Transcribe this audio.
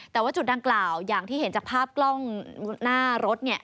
แต่ว่าจุดดังกล่าวอย่างที่เห็นจากภาพกล้องหน้ารถเนี่ย